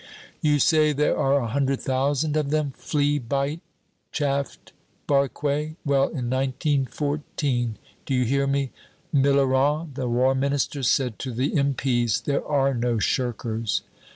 "You say there are a hundred thousand of them, flea bite," chaffed Barque. "Well, in 1914 do you hear me? Millerand, the War Minister, said to the M.P.'s, 'There are no shirkers.'"